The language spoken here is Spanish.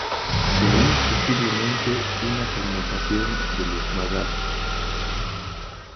De ahí posiblemente una connotación de los "marranos".